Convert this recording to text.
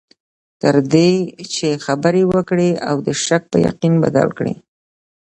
تر دې چې خبرې وکړې او د شک په یقین بدل شي.